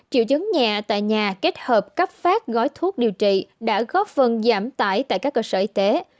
triệu chứng nhẹ tại nhà kết hợp cấp phát gói thuốc điều trị đã góp phần giảm tải tại các cơ sở y tế